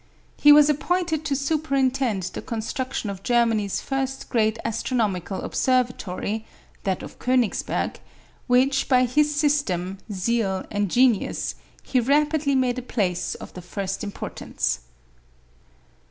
He was appointed to superintend the construction of Germany's first great astronomical observatory, that of Königsberg, which, by his system, zeal, and genius, he rapidly made a place of the first importance.